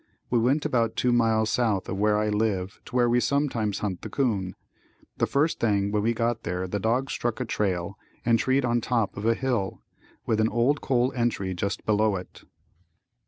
We went about two miles south of where I live to where we sometimes hunt the 'coon. The first thing when we got there the dogs struck a trail and treed on top of a hill with an old coal entry just below it.